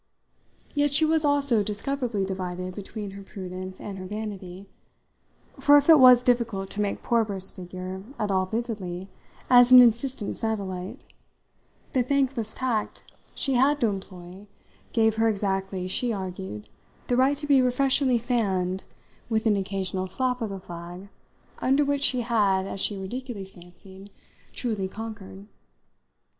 Yet she was also discoverably divided between her prudence and her vanity, for if it was difficult to make poor Briss figure at all vividly as an insistent satellite, the thankless tact she had to employ gave her exactly, she argued, the right to be refreshingly fanned with an occasional flap of the flag under which she had, as she ridiculously fancied, truly conquered.